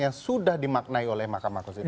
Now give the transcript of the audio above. yang sudah dimaknai oleh mahkamah konstitusi